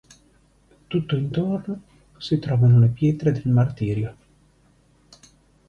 Tutto intorno si trovano le pietre del martirio.